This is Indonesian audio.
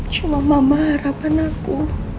cuma mama harapan aku